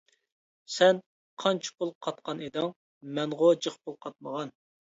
-سەن قانچە پۇل قاتقان ئىدىڭ؟ -مەنغۇ جىق پۇل قاتمىغان.